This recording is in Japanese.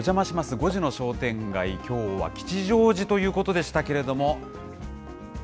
５時の商店街、きょうは吉祥寺ということでしたけれども。